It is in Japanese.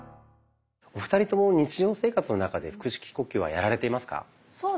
２人とも日常生活の中で腹式呼吸はやられていますか？